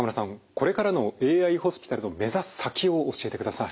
これからのＡＩホスピタルの目指す先を教えてください。